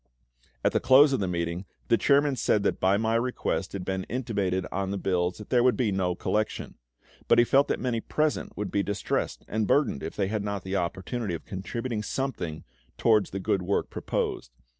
At the close of the meeting the chairman said that by my request it had been intimated on the bills that there would be no collection; but he felt that many present would be distressed and burdened if they had not the opportunity of contributing something towards the good work proposed.